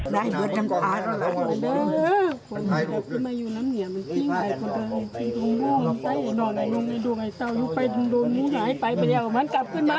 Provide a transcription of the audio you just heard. มันมาเอาไปอย่างไรมันเอาไว้เข้ามาสุบัติ